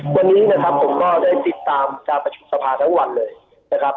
วันนี้นะครับผมก็ได้ติดตามการประชุมสภาทั้งวันเลยนะครับ